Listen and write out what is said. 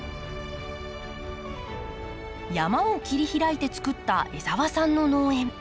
山を切り開いてつくった江澤さんの農園。